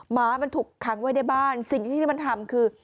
หมามันถูกขังไว้ในบ้านสิ่งที่ที่มันทำคือ